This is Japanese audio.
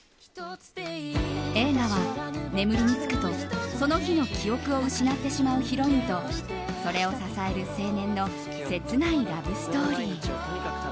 映画は、眠りにつくとその日の記憶を失ってしまうヒロインとそれを支える青年の切ないラブストーリー。